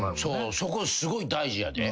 そこすごい大事やで。